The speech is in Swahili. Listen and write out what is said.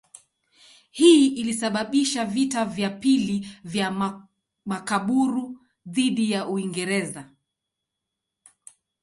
Hii ilisababisha vita vya pili vya Makaburu dhidi ya Uingereza.